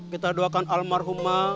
kita doakan almarhumah